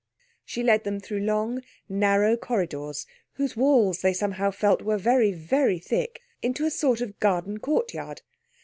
She led them through long, narrow corridors whose walls they somehow felt, were very, very thick, into a sort of garden courtyard.